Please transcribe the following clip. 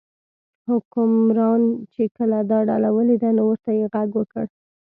حکمران چې کله دا ډله ولیده نو ورته یې غږ وکړ.